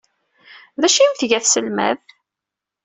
D acu ay am-tga tselmadt?